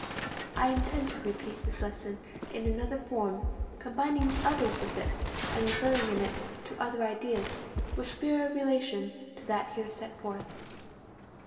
I intend to repeat this lesson in another form, combining others with it, and referring in it to other ideas, which bear a relation to that here set forth.